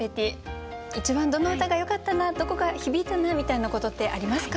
一番どの歌がよかったなどこが響いたなみたいなことってありますか？